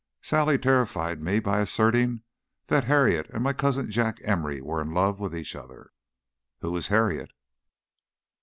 Sally terrified me by asserting that Harriet and my cousin Jack Emory were in love with each other." "Who is Harriet?"